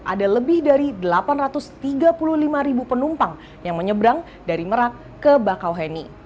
ada lebih dari delapan ratus tiga puluh lima ribu penumpang yang menyeberang dari merak ke bakauheni